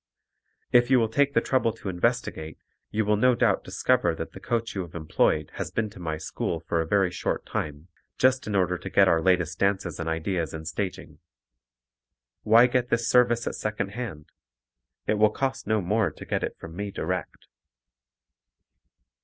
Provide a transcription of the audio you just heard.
If you will take the trouble to investigate you will no doubt discover that the coach you have employed has been to my school for a very short time, just in order to get our latest dances and ideas in staging. Why get this service at second hand? It will cost no more to get it from me direct.